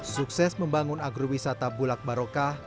sukses membangun agrowisata bulak barokah